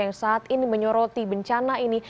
yang saat ini menyoroti bencana ini